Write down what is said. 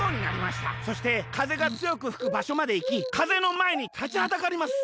そしてかぜがつよくふくばしょまでいきかぜのまえにたちはだかります。